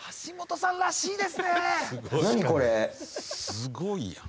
すごいやん。